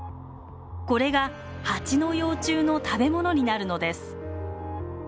これがハチの幼虫の食べ物になるのです。